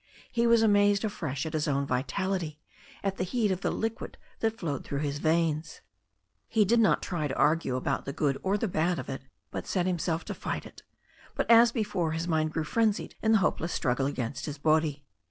He was amazed afresh at his own vitality, at the heat of the liquid that flowed through his veins. He did not try to argue about the good or the bad of it, but set himself to fight it. But, as before, his mind grew frenzied in the hopeless struggle against his body.